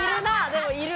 でもいる。